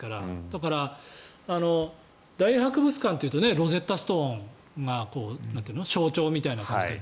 だから、大英博物館というとロゼッタストーンが象徴みたいな感じで。